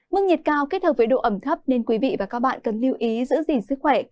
mức nhiệt cao kết hợp với độ ẩm thấp nên quý vị và các bạn cần lưu ý giữ gìn sức khỏe